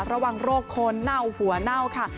ระวังโรคคนเน่าหัวเน่าค่ะ